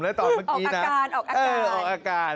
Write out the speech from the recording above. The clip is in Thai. แล้วตอนเมื่อกี้นะออกอากาศ